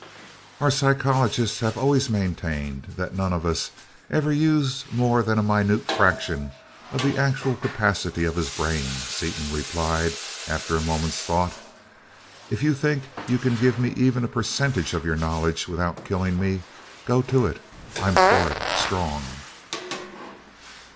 "Our psychologists have always maintained that none of us ever uses more than a minute fraction of the actual capacity of his brain," Seaton replied after a moment's thought. "If you think you can give me even a percentage of your knowledge without killing me, go to it I'm for it, strong!"